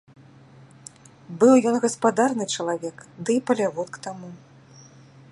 Быў ён гаспадарны чалавек ды і палявод к таму.